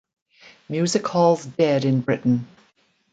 Music hall's dead in Britain.